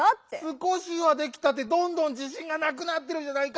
「すこしはできた」ってどんどんじしんがなくなってるじゃないか！